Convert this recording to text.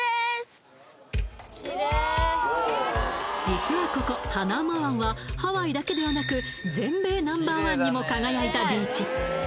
実はここハナウマ湾はハワイだけではなく全米Ｎｏ．１にも輝いたビーチ